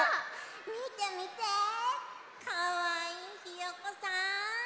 みてみてかわいいひよこさん。